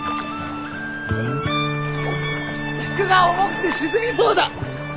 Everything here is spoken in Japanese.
服が重くて沈みそうだ。